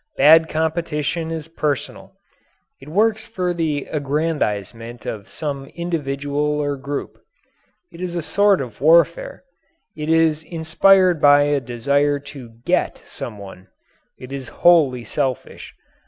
Bad competition is personal. It works for the aggrandizement of some individual or group. It is a sort of warfare. It is inspired by a desire to "get" someone. It is wholly selfish.